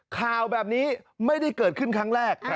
ข่าวแบบนี้ไม่ได้เกิดขึ้นครั้งแรก